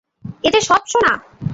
এ যে সব সোনা!